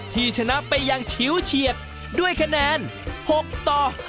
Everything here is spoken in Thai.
ที่ชนะไปอย่างชิวเฉียดด้วยคะแนน๖ต่อ๕